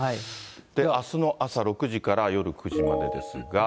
あすの朝６時から夜９時までですが。